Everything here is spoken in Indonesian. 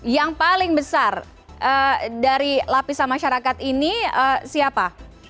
yang paling besar dari lapisan masyarakat ini siapa